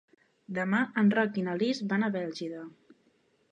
Demà en Roc i na Lis van a Bèlgida.